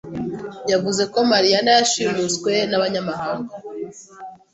Yavuzeko Mariyana yashimuswe n'abanyamahanga.